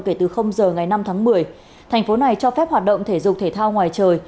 kể từ giờ ngày năm tháng một mươi thành phố này cho phép hoạt động thể dục thể thao ngoài trời